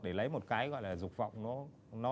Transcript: để lấy một cái gọi là dục vọng